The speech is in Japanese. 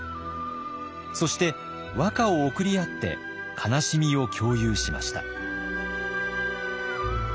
そして和歌を贈り合って悲しみを共有しました。